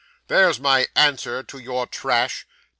There's my answer to your trash.